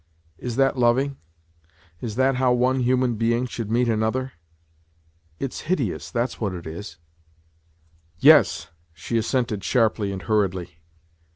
Is that loving ? Is that how one human being should meet another ? It's hideous, that's what it is !"" Yes !" she assented sharply and hurriedly.